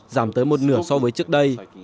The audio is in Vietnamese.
giảm tới một nửa so với trước đây